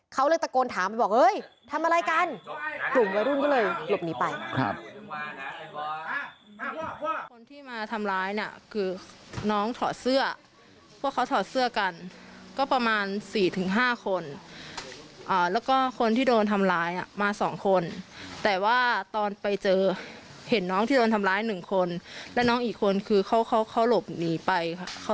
เขาเลยตะโกนถามบอกเฮ้ยทำอะไรกันรุ่นก็เลยหลบหนีไป